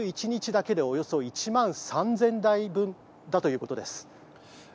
１日だけでおよそ１万３０００台分だということです。